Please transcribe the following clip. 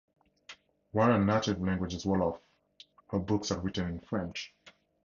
While her native language is Wolof, her books are written in French.